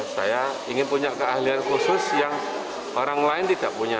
saya ingin punya keahlian khusus yang orang lain tidak punya